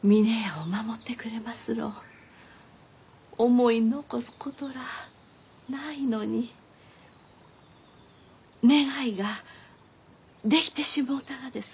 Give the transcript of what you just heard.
思い残すことらあないのに願いができてしもうたがです。